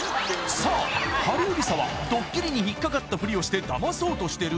さあハリウリサはドッキリに引っ掛かったフリをしてダマそうとしてる？